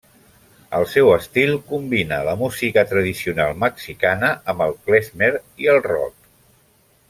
El seu estil combina la música tradicional mexicana amb el klezmer i el rock.